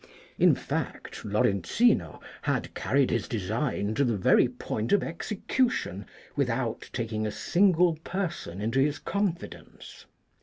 In fact Lorenzino had carried his design to the very point of execution without taking a single person into his confidence.